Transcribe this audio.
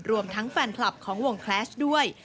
รวมทั้งแฟนคลับของวงแคลชด้วย